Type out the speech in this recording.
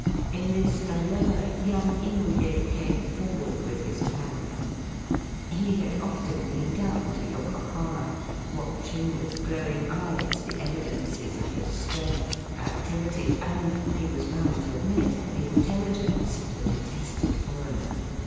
In this dilemma young Inouye came forward with his plan. He had often been down to Yokohama, watching with glowing eyes the evidences of the strength, activity, and, he was bound to admit, the intelligence of the detested foreigner.